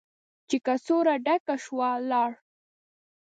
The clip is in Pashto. چې کڅوړه ډکه شوه، لاړ.